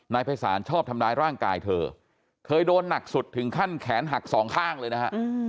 ภัยศาลชอบทำร้ายร่างกายเธอเคยโดนหนักสุดถึงขั้นแขนหักสองข้างเลยนะฮะ